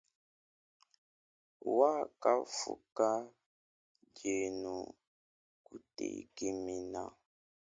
Wakamfuka ndienu kutekemena.